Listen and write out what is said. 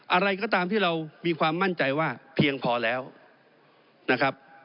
อะไรก็ตามที่เรามีความมั่นใจว่าเพียงพอแล้วนะครับ